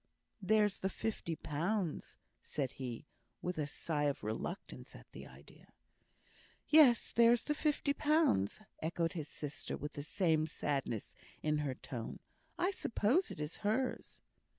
"There's the fifty pounds," said he, with a sigh of reluctance at the idea. "Yes, there's the fifty pounds," echoed his sister, with the same sadness in her tone. "I suppose it is hers."